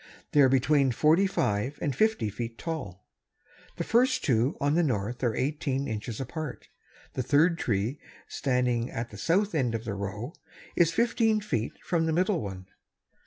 They are between forty five and fifty feet high. The first two on the north are eighteen inches apart. The third tree standing at the south end of the row is fifteen feet from the middle one.